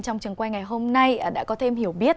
trong trường quay ngày hôm nay đã có thêm hiểu biết